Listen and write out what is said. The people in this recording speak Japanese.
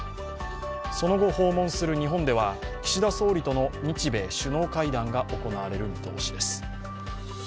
その後、訪問する日本では岸田総理との日米首脳会談が行われる見通しです。